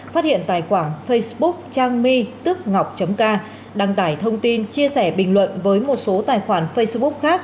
phát hiện tài khoản facebook trang mi tức ngọc k đăng tải thông tin chia sẻ bình luận với một số tài khoản facebook khác